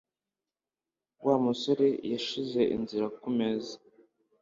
Wa musore yashyize inzira kumeza.